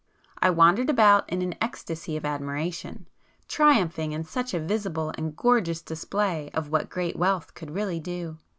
I wandered about in an ecstasy of admiration, triumphing in such a visible and gorgeous display of what great wealth could really do.